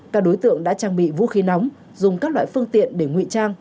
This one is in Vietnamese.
các đối tượng đã trang bị vũ khí nóng dùng các loại phương tiện để ngụy trang